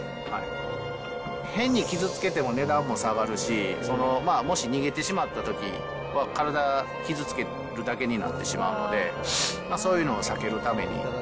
変に傷つけても値段も下がるし、もし逃げてしまったときは、体傷つけるだけになってしまうので、そういうのを避けるために。